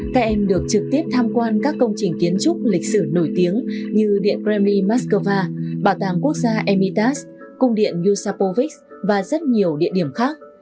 các em được trực tiếp tham quan các công trình kiến trúc lịch sử nổi tiếng như điện kremli moscow bảo tàng quốc gia mitas cung điện yosapovics và rất nhiều địa điểm khác